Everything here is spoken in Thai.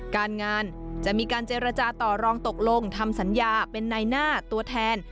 การงานจะมีการเจรจาต่อรองตกลงทำสัญญาเป็นในหน้าตัวแทน